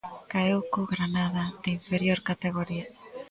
Caeu co Granada, de inferior categoría.